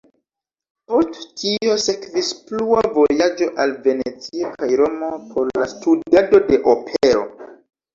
Post tio sekvis plua vojaĝo al Venecio kaj Romo por la studado de opero.